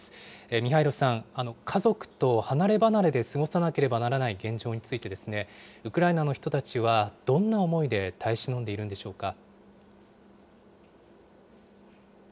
ミハイロさん、家族と離れ離れで過ごさなければならない現状についてですね、ウクライナの人たちはどんな思いで耐え忍んでいるんでしょうか。